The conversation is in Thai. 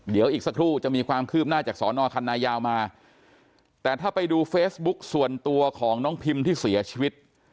เดี๋ยวอีกสักครู่จะมีความคืบหน้าจากสอนอคันนายาวมาแต่ถ้าไปดูเฟซบุ๊กส่วนตัวของน้องพิมที่เสียชีวิต